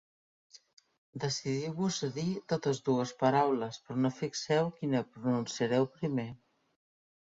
Decidiu-vos a dir totes dues paraules, però no fixeu quina pronunciareu primer.